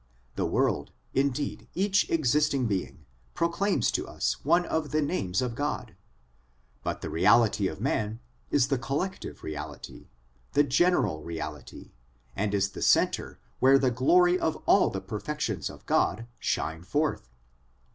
The world, indeed each existing being, proclaims to us one of the names of God, but the reality of man is the collective reality, the general reality, and is the centre where the glory of all the perfections of God shine forth.